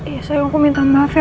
iya sayang aku minta maaf ya